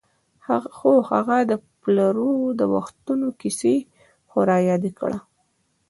خو هغه د پلرو د وختونو کیسې خو رایادې کړه.